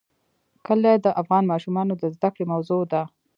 کلي د افغان ماشومانو د زده کړې موضوع ده.